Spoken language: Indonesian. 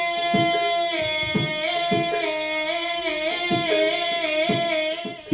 bahasa yang terbaik